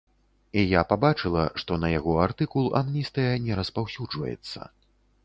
І я пабачыла, што на яго артыкул амністыя не распаўсюджваецца.